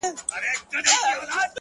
چي بيا ترې ځان را خلاصولای نسم!